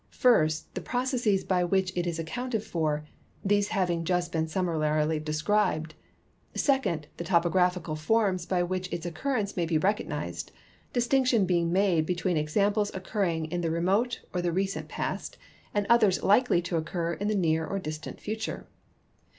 First, the processes by Avhich it is accounted for, these having just been summarily described. Second, the topo graphical forms by which its occurrence may be recognized, dis tinction being made between examples occurring in the remote or the recent past and others likely to occur in the near or dis tant future.